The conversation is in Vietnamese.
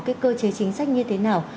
cái cơ chế chính sách như thế nào